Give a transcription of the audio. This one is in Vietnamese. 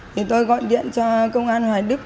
thì tôi gọi điện cho công an hoài đức